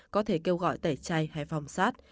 có thể kêu gọi tẩy chay hay phòng sát